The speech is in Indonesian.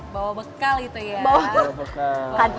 bawa bekal gitu ya